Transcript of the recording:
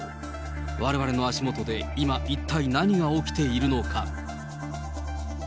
われわれの足もとで今、一体何が起きているのか。